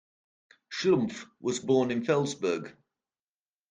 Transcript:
Schlumpf was born in Felsberg.